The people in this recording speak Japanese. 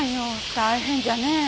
大変じゃね。